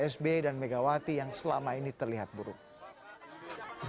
sby dan megawati yang selama ini terlihat buruk